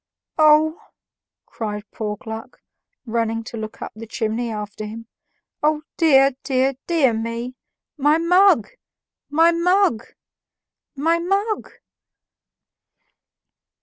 "Oh!" cried poor Gluck, running to look up the chimney after him, "O dear, dear, dear me! My mug! my mug! my mug!"